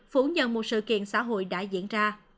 phủ nhận một sự kiện xã hội đã diễn ra